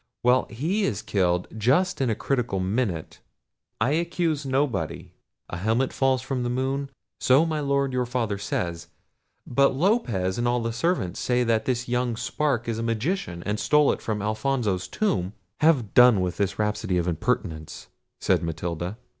Well! he is killed just in a critical minute—I accuse nobody. A helmet falls from the moon—so, my Lord, your father says; but Lopez and all the servants say that this young spark is a magician, and stole it from Alfonso's tomb—" "Have done with this rhapsody of impertinence," said Matilda.